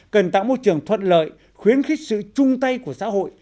cần tạo môi trường thuận lợi khuyến khích sự chung tay của xã hội